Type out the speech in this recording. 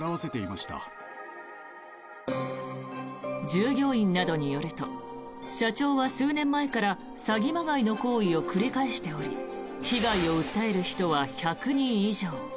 従業員などによると社長は数年前から詐欺まがいの行為を繰り返しており被害を訴える人は１００人以上。